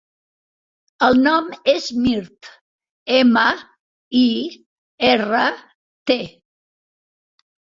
El nom és Mirt: ema, i, erra, te.